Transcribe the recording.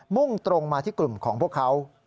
่งตรงมาที่กลุ่มของพวกเขา